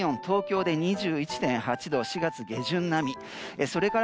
東京で２１．８度４月下旬並み。